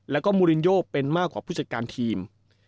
แล้วก็มูลินโยเป็นมากกว่าผู้จัดการทีม